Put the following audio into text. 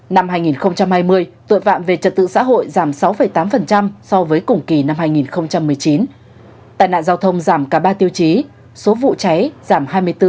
năm hai nghìn hai mươi tội phạm về trật tự xã hội giảm sáu tám so với cùng kỳ năm hai nghìn một mươi chín tai nạn giao thông giảm cả ba tiêu chí số vụ cháy giảm hai mươi bốn